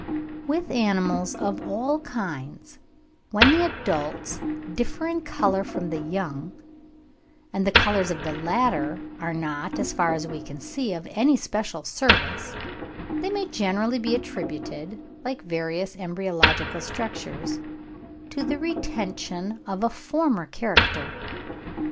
With animals of all kinds when the adults differ in colour from the young, and the colours of the latter are not, as far as we can see, of any special service, they may generally be attributed, like various embryological structures, to the retention of a former character.